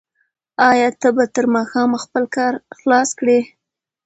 آیا ته به تر ماښامه خپل کار خلاص کړې؟